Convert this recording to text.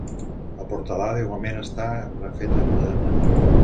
La portalada, igualment està refeta modernament.